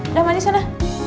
udah mandi sana